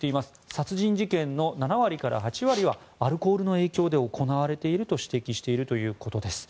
殺人事件の７割から８割はアルコールの影響で行われていると指摘しているということです。